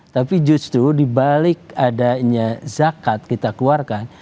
tapi justru dibalik adanya zakat kita keluarkan